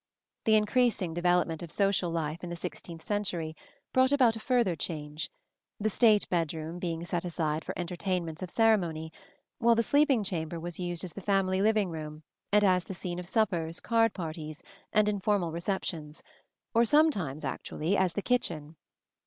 The increasing development of social life in the sixteenth century brought about a further change; the state bedroom being set aside for entertainments of ceremony, while the sleeping chamber was used as the family living room and as the scene of suppers, card parties, and informal receptions or sometimes actually as the kitchen.